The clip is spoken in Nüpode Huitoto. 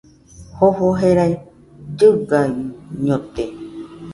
Jofo jerai llɨgaiñote